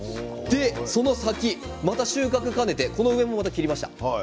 その先また収穫を兼ねて上を切りました。